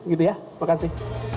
gitu ya makasih